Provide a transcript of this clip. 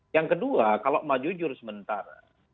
yang kedua kalau mau jujur sementara